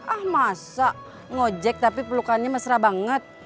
ah masak ngojek tapi pelukannya mesra banget